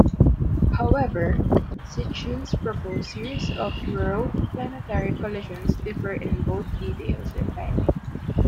However, Sitchin's proposed series of rogue planetary collisions differ in both details and timing.